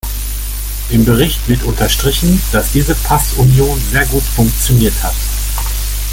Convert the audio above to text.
Im Bericht wird unterstrichen, dass diese Passunion sehr gut funktioniert hat.